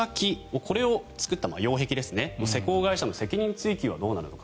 これを造った擁壁の施工会社の責任追及はどうなのか。